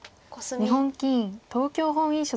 日本棋院東京本院所属。